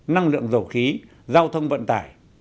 năng lượng dầu khí giao thông vận tải